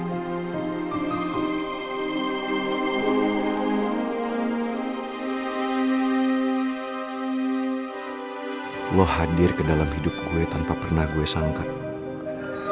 gue gak akan biarin luka apapun membekas di hati lo